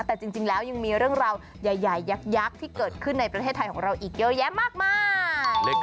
แต่จริงแล้วยังมีเรื่องราวใหญ่ยักษ์ที่เกิดขึ้นในประเทศไทยของเราอีกเยอะแยะมากมาย